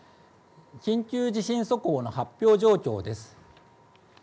緊急地震速報の発表状況です。